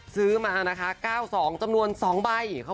ซื้อมานะคะ๙๒จำนวน๒ใบ